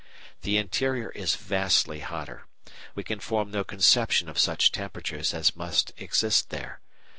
The interior is vastly hotter. We can form no conception of such temperatures as must exist there.